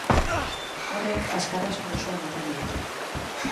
Horrek askatasun osoa ematen digu.